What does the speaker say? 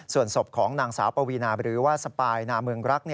ส่วนศพของนางสาวปวีนาหรือว่าสปายนาเมืองรัก